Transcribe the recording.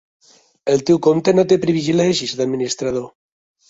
El teu compte no té privilegis d'administrador.